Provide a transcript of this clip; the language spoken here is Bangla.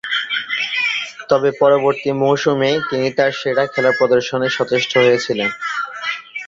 তবে, পরবর্তী মৌসুমেই তিনি তার সেরা খেলা প্রদর্শনে সচেষ্ট হয়েছিলেন।